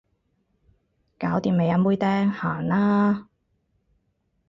搞掂未啊妹釘，行啦